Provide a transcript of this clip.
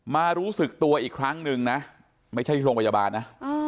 รู้สึกตัวอีกครั้งหนึ่งนะไม่ใช่ที่โรงพยาบาลนะ